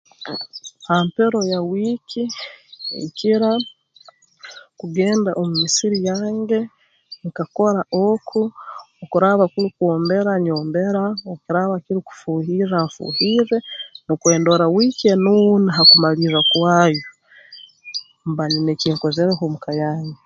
Ha mpero ya wiiki nkira kugenda omu misiri yange nkakora oku obu kuraaba kuli kwombera nyombera obu kuraaba kuli kufuuhirra nfuhirre nukwo wiiki enuuna ha kumalirra kwayo mba nyina eki nkozereho omu ka yange